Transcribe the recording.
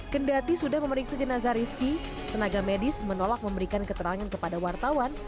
kendati sudah memeriksa jenazah rizky tenaga medis menolak memberikan keterangan kepada wartawan